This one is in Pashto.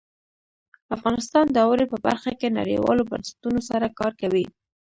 افغانستان د اوړي په برخه کې نړیوالو بنسټونو سره کار کوي.